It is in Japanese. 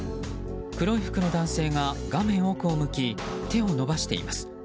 黒い服の男性が画面奥を向き手を伸ばしています。